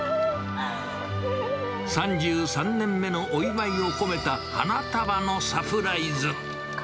３３年目のお祝いを込めた花束のサプライズ。